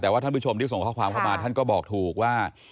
แต่ว่าท่านผู้ชมที่ส่งข้อความเข้ามาท่านก็บอกถูกว่า